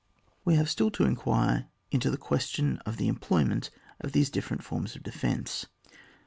We have still to inquire into the ques tion of the employment of these different forms of defence.